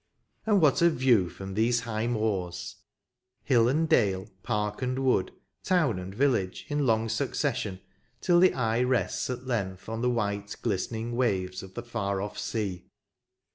And what a view from these high moors ! Hill and dale, park 14 RlVERTON. and wood, town and village, in long succession, till the eye rests at length on the white, glistening waves of the far off sea.